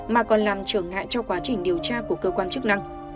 mà còn làm trở ngại cho quá trình điều tra của cơ quan chức năng